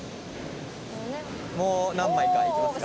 もう何枚かいきますか。